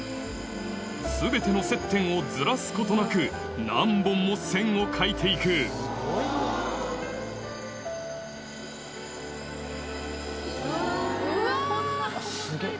全ての接点をずらすことなく何本も線を描いて行くうわ。